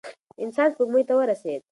انسان سپوږمۍ ته ورسېد.